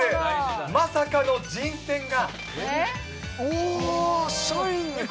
まさかの人選が。